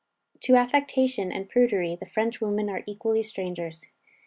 To affectation and prudery the French women are equally strangers.